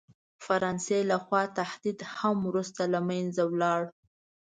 فرانسې له خوا تهدید هم وروسته له منځه ولاړ.